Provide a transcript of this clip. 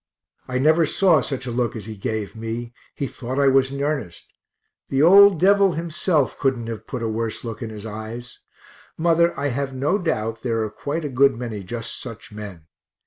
I never saw such a look as he gave me, he thought I was in earnest the old devil himself couldn't have had put a worse look in his eyes. Mother, I have no doubt there are quite a good many just such men.